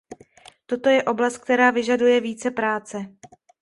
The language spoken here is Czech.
Toto je oblast, která vyžaduje více práce.